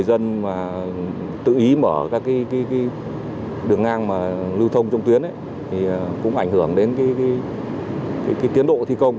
đường ngang mà lưu thông trong tuyến cũng ảnh hưởng đến tiến độ thi công